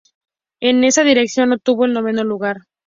En esa edición obtuvo el noveno lugar.